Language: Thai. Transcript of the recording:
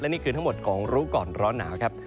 นี่คือทั้งหมดของรู้ก่อนร้อนหนาวครับ